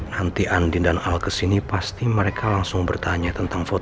nanti andi dan al kesini pasti mereka langsung bertanya tentang fotonya